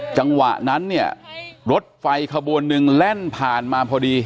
จังหวะนั้นเนี่ยรถไฟขบวนหนึ่งแล่นผ่านมาพอดี